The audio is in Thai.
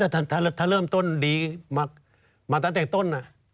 ถ้าเริ่มต้นดีมาตั้งแต่ต้น